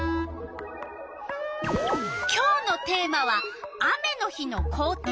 今日のテーマは「雨の日の校庭」。